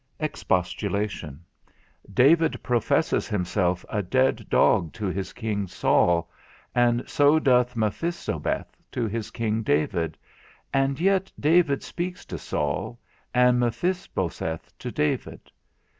II. EXPOSTULATION. David professes himself a dead dog to his king Saul, and so doth Mephibosheth to his king David, and yet David speaks to Saul, and Mephibosheth to David.